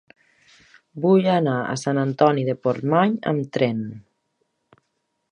Vull anar a Sant Antoni de Portmany amb tren.